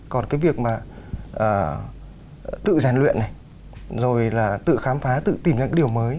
còn cái việc mà tự rèn luyện này rồi là tự khám phá tự tìm ra những điều mới